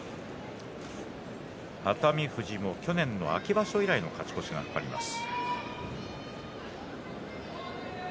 熱海富士も去年の秋場所以来の勝ち越しが懸かります。